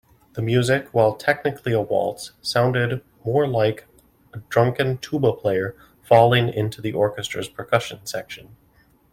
The music, while technically a waltz, sounded more like a drunken tuba player falling into the orchestra's percussion section.